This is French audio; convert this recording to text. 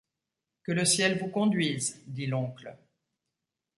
Que le ciel vous conduise ! dit l’oncle.